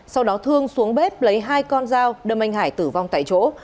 sau đó thương xuống bếp lấy hai con dao đâm anh hải tử vong tại chỗ